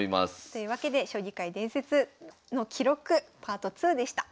というわけで「将棋界伝説の記録Ｐａｒｔ２」でした。